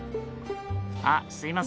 あすいません！